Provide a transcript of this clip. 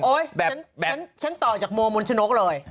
แบบฉันต่อจากโมมนชนกเลย